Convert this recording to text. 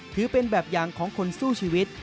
ถือเป็นแบบอย่างของคนสู้ชีวิต